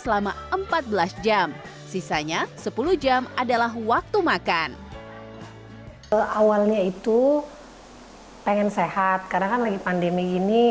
selama empat belas jam sisanya sepuluh jam adalah waktu makan awalnya itu pengen sehat karena kan lagi pandemi ini